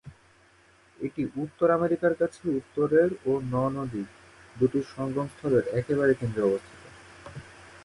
এটি উত্তর আমেরিকার কাছে, উত্তরের ও ন নদী দুটির সঙ্গম স্থলের একেবারে কেন্দ্রে অবস্থিত।